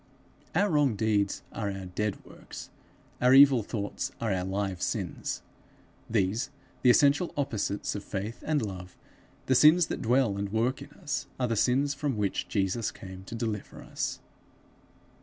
Our wrong deeds are our dead works; our evil thoughts are our live sins. These, the essential opposites of faith and love, the sins that dwell and work in us, are the sins from which Jesus came to deliver us.